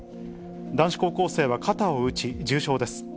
男子高校生は肩を打ち、重傷です。